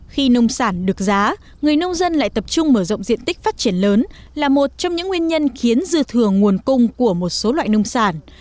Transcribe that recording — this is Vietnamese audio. khi nông sản được giá người nông dân lại tập trung mở rộng diện tích phát triển lớn là một trong những nguyên nhân khiến dư thừa nguồn cung của một số loại nông sản